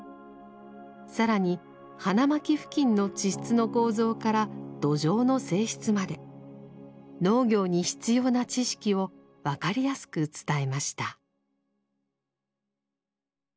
更に花巻付近の地質の構造から土壌の性質まで農業に必要な知識を分かりやすく伝えました。